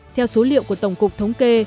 theo số liệu của tổng cục thống kê